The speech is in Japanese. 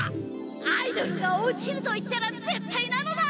アイドルが落ちると言ったらぜったいなのだ！